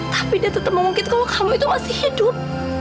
tapi dia tetap memungkinkan kalau kamu itu masih hidup